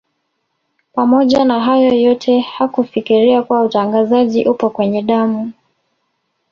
Pamoja na hayo yote hakufikiria kuwa utangazaji upo kwenye damu